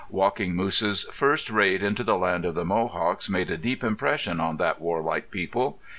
Walking Moose's first raid into the land of the Mohawks made a deep impression on that warlike people.